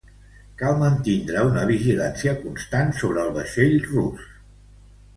Cal mantindre una vigilància constant sobre el vaixell rus.